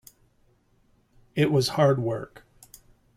It was hard work.